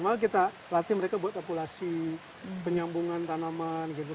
malah kita latih mereka buat populasi penyambungan tanaman gitu